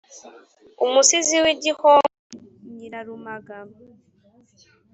umusizi w’i gihogwe nyirarumaga